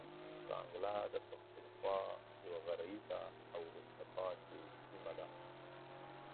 شانګله د پښتونخوا يوه غريزه او وروسته پاتې سيمه ده.